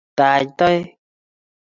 Tach Toek